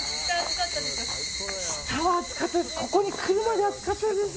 下は暑かったです。